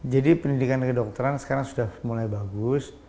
jadi pendidikan kedokteran sekarang sudah mulai bagus